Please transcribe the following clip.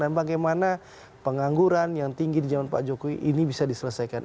dan bagaimana pengangguran yang tinggi di zaman pak jokowi ini bisa diselesaikan